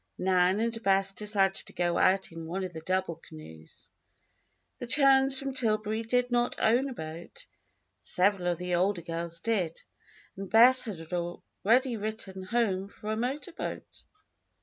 Nan and Bess decided to go out in one of the double canoes. The chums from Tillbury did not own a boat. Several of the older girls did, and Bess had already written home for a motor boat.